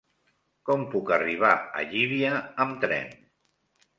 Com puc arribar a Llívia amb tren?